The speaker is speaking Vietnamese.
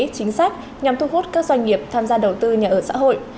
chính sách nhằm thu hút các doanh nghiệp tham gia đầu tư nhà ở xã hội